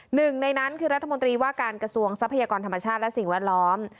หนึ่งในนั้นคือรัฐมนตรีว่าการกระทรวงทรัพยากรธรรมชาติและสิ่งแวดล้อม